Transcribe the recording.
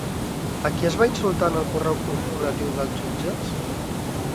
A qui es va insultar en el correu corporatiu dels jutges?